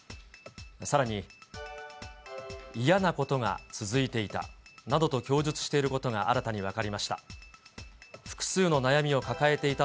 さらに、嫌なことが続いていたなどと供述していることが新たに分かりました。